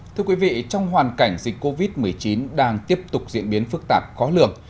thưa quý vị trong hoàn cảnh dịch covid một mươi chín đang tiếp tục diễn biến phức tạp khó lường